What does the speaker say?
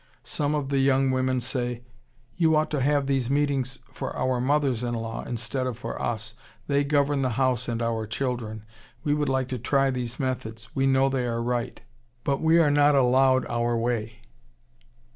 Some of the young women say, "You ought to have these meetings for our mothers in law instead of for us. They govern the house and our children. We would like to try these methods. We know they are right, but we are not allowed our way."